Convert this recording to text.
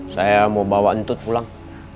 saya mau bawa untuk pulang